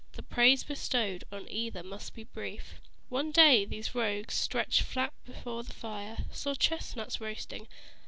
The praise bestowed on either must be brief. One day these rogues, stretched flat before the fire, Saw chestnuts roassting.